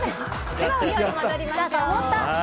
ではお料理に戻りましょう。